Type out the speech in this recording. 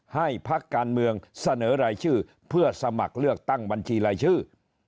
พักการเมืองเสนอรายชื่อเพื่อสมัครเลือกตั้งบัญชีรายชื่อ